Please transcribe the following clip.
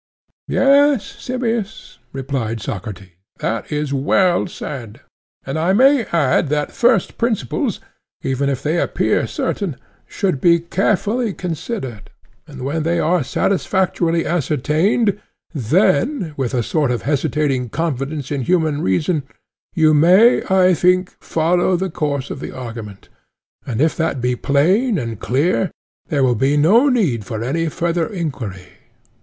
Yes, Simmias, replied Socrates, that is well said: and I may add that first principles, even if they appear certain, should be carefully considered; and when they are satisfactorily ascertained, then, with a sort of hesitating confidence in human reason, you may, I think, follow the course of the argument; and if that be plain and clear, there will be no need for any further enquiry.